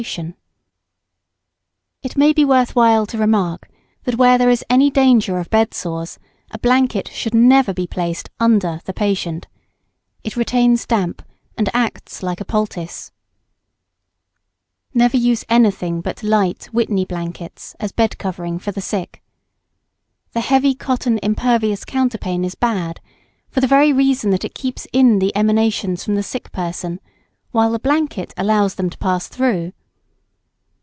[Sidenote: Bed sores.] It may be worth while to remark, that where there is any danger of bed sores a blanket should never be placed under the patient. It retains damp and acts like a poultice. [Sidenote: Heavy and impervious bed clothes.] Never use anything but light Whitney blankets as bed covering for the sick. The heavy cotton impervious counterpane is bad, for the very reason that it keeps in the emanations from the sick person, while the blanket allows them to pass through.